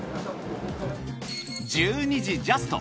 １２時ジャスト。